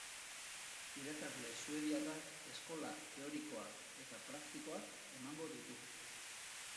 Irakasle suediarrak eskola teorikoak eta praktikoak emango ditu.